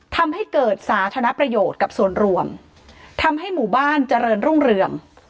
ทำให้เกิดสาธารณประโยชน์กับส่วนรวมทำให้หมู่บ้านเจริญรุ่งเรือง